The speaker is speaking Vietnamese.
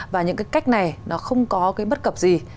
và những cách này nó không có bất cập gì